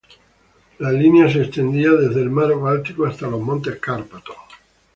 La línea se extendía desde el mar Báltico hasta las montes Cárpatos.